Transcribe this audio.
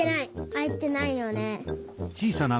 あいてないよね。